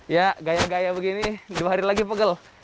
ya gaya gaya begini dua hari lagi pegel